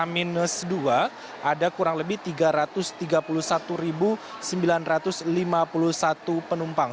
jadi tiga ratus tiga puluh satu sembilan ratus lima puluh satu penumpang